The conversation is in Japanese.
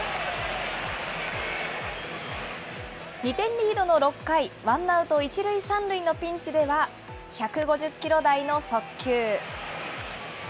２点リードの６回、ワンアウト１塁３塁のピンチでは、１５０キロ台の速球。